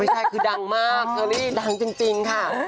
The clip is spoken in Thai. ไม่ใช่คือดังมากจริงดังจริงค่ะ